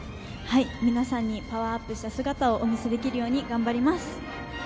皆さんにパワーアップした姿をお見せできるように頑張ります。